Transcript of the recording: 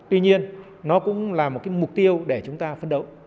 tuy nhiên nó cũng là một mục tiêu để chúng ta phân đấu